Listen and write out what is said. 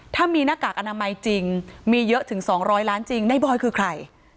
ถ้ามีหน้ากากอนามัยจริงมีเยอะถึง๒๐๐ล้านจริงในบอยคือใคร